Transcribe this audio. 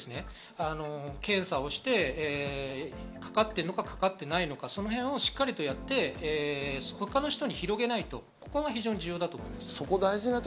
とにかく早く検査をして、かかっているのか、かかっていないのか、その辺をしっかりやって、他の人に広げない、ここが非常に重要だと思います。